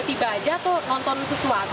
tiba aja tuh nonton sesuatu